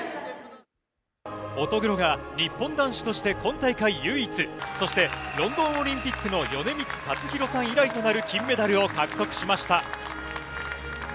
乙黒が日本男子として今大会唯一、そしてロンドンオリンピックの米満達弘さん以来となる金メダルを獲得しました。